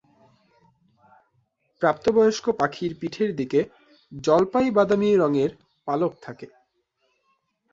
প্রাপ্তবয়স্ক পাখির পিঠের দিকে জলপাই-বাদামি পালক থাকে।